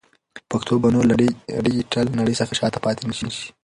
پښتو به نور له ډیجیټل نړۍ څخه شاته پاتې نشي.